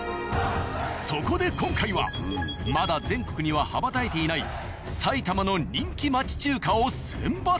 そこで今回はまだ全国には羽ばたいていない埼玉の人気町中華を選抜。